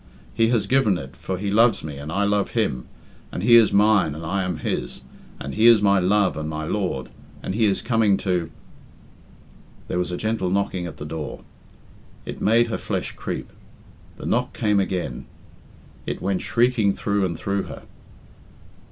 He has given it, for he loves me and I love him, and he is mine and I am his, and he is my love and my lord, and he is coming to " There was a gentle knocking at the door. It made her flesh creep. The knock came again. It went shrieking through and through her.